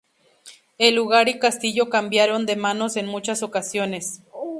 El lugar y castillo cambiaron de manos en muchas ocasiones.